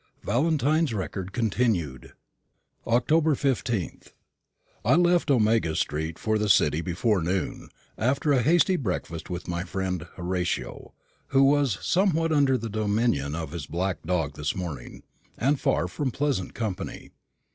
VALENTINE'S RECORD CONTINUED. October 15th. I left Omega street for the City before noon, after a hasty breakfast with my friend Horatio, who was somewhat under the dominion of his black dog this morning, and far from pleasant company.